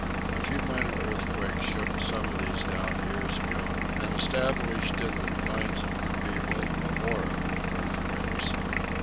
A few minor earthquakes shook some of these down years ago and established in the minds of the people a horror of earthquakes.